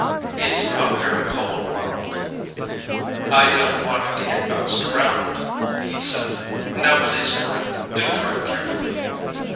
"It's not very cold, Ronald." "I don't want it to get bounced around," he said. "Now, please, Corinne, do drive carefully."